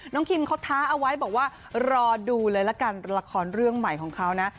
คิมเขาท้าเอาไว้บอกว่ารอดูเลยละกันละครเรื่องใหม่ของเขานะ